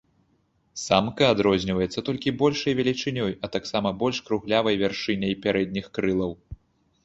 Самка адрозніваецца толькі большай велічынёй, а таксама больш круглявай вяршыняй пярэдніх крылаў.